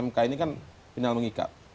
mk ini kan final mengikat